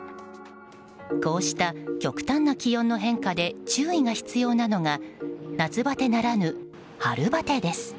こうした極端な気温の変化で注意が必要なのが夏バテならぬ春バテです。